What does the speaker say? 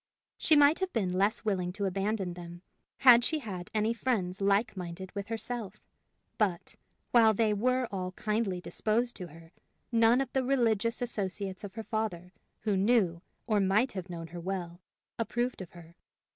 She might have been less willing to abandon them, had she had any friends like minded with herself, but, while they were all kindly disposed to her, none of the religious associates of her father, who knew, or might have known her well, approved of her.